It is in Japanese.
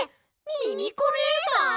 ミミコねえさん！？